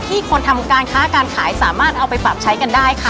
คนทำการค้าการขายสามารถเอาไปปรับใช้กันได้ค่ะ